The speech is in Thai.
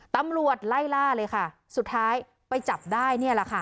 ตำรวจไล่ล่าเลยค่ะสุดท้ายไปจับได้